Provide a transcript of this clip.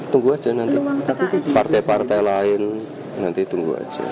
tunggu aja nanti partai partai lain nanti tunggu aja